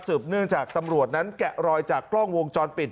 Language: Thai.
เนื่องจากตำรวจนั้นแกะรอยจากกล้องวงจรปิด